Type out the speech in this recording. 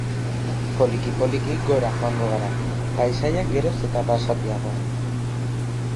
Poliki-poliki gora joango gara, paisaia geroz eta basatiagoan.